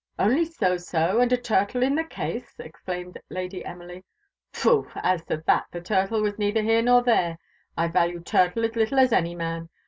"Only so, so, and a turtle in the case!" exclaimed Lady Emily. "Phoo! as to that, the turtle was neither here nor there. I value turtle as little as any man.